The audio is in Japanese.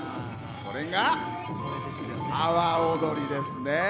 それが阿波おどりですね。